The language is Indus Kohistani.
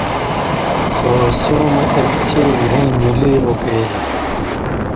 خو سېوں مہ اِک چئ گھَیں مولی اُکئیلیۡ۔